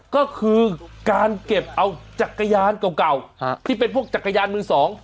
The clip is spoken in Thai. ก็คือการเก็บเอาจักรยานเก่าที่เป็นพวกจักรยานมือสอง